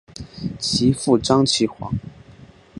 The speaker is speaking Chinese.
其父张其锽。